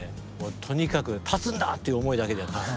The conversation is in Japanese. とにかく立つんだっていう思いだけで。